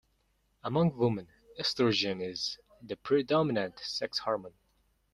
Among women, estrogen is the predominant sex hormone.